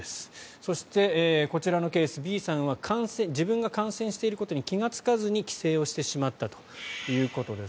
そしてこちらのケース、Ｂさんは自分が感染していることに気がつかずに帰省してしまったということです。